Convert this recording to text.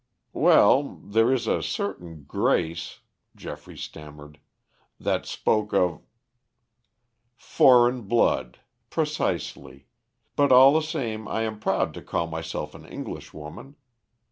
"Well, there is a certain grace," Geoffrey stammered, "that spoke of " "Foreign blood. Precisely. But all the same, I am proud to call myself an Englishwoman.